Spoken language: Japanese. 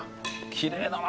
きれいだな。